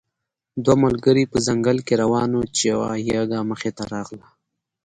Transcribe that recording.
دوه ملګري په ځنګل کې روان وو چې یو یږه مخې ته راغله.